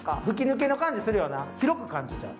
吹き抜けの感じするよな、広く感じる。